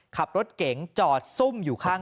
มันมีปืน